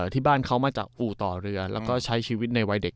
ที่บ้านเขามาจากอู่ต่อเรือแล้วก็ใช้ชีวิตในวัยเด็ก